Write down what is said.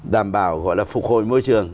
đảm bảo gọi là phục hồi môi trường